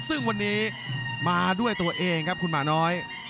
ซึ่งวันนี้มาด้วยตัวเองครับคุณหมาน้อย